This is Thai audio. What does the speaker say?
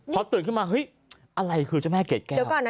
เขาตื่นขึ้นมาอะไรคือเจ้าแม่เก็ดแก้ว